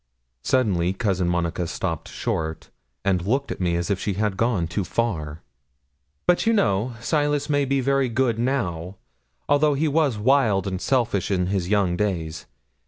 Suddenly Cousin Monica stopped short, and looked at me as if she had gone too far. 'But, you know, Silas may be very good now, although he was wild and selfish in his young days.